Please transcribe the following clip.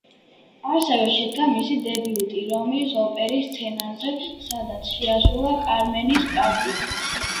ასევე შედგა მისი დებიუტი რომის ოპერის სცენაზე, სადაც შეასრულა კარმენის პარტია.